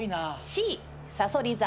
Ｃさそり座。